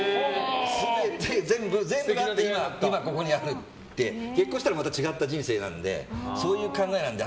全部があって今ここがあって結婚したらまた違った人生なのでそういう考えなので。